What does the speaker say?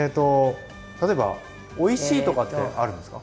例えば「おいしい」とかってあるんですか？